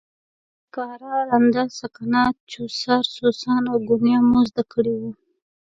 لکه اره، رنده، سکنه، چوسار، سوان او ګونیا مو زده کړي وو.